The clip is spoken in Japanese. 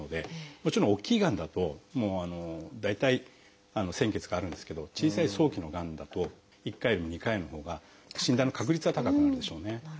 もちろん大きいがんだと大体潜血があるんですけど小さい早期のがんだと１回よりも２回のほうが診断の確率は高くなるでしょうね。